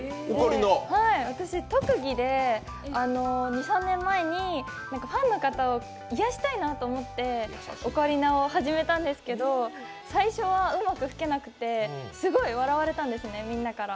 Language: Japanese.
私、特技で２３年前にファンの方をいやしたいと思ってオカリナを始めたんですけど最初はうまく吹けなくてすごい笑われたんですね、みんなから。